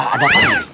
ada apa nih